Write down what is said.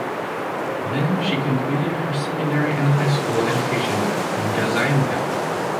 Then she completed her secondary and high school education in Gaziantep.